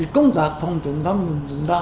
công tác phòng chống tham nhũng